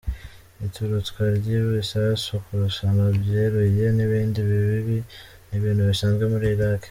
Ituritswa ry’ibisasu, kurasana byeruye, n’ibindi bibi n’ibintu bisanzwe muri Iraq.